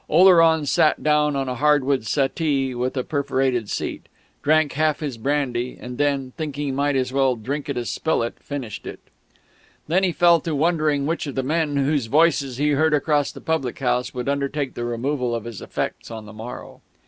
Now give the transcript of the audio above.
Oleron sat down on a hardwood settee with a perforated seat, drank half his brandy, and then, thinking he might as well drink it as spill it, finished it. Then he fell to wondering which of the men whose voices he heard across the public house would undertake the removal of his effects on the morrow.